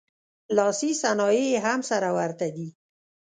لاسي صنایع یې هم سره ورته دي